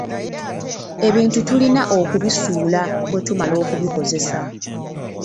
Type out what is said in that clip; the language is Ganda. Ebintu tulina okubisuula bwe tumala okubikozesa.